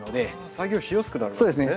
作業しやすくなるんですね。